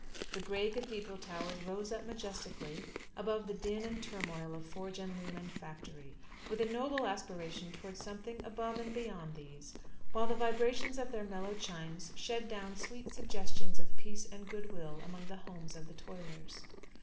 The gray cathedral towers rose up majestically above the din and turmoil of forge and loom and factory, with a noble aspiration towards something above and beyond these; while the vibrations of their mellow chimes shed down sweet suggestions of peace and goodwill among the homes of the toilers.